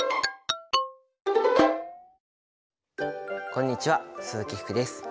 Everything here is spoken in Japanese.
こんにちは鈴木福です。